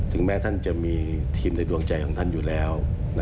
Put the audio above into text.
แม้ท่านจะมีทีมในดวงใจของท่านอยู่แล้ว